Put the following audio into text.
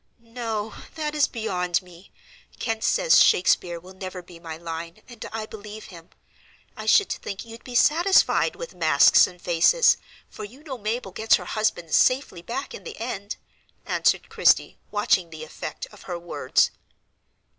"No, that is beyond me. Kent says Shakespeare will never be my line, and I believe him. I should think you'd be satisfied with 'Masks and Faces,' for you know Mabel gets her husband safely back in the end," answered Christie, watching the effect of her words.